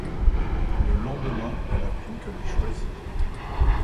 Le lendemain elle apprend qu'elle est choisie.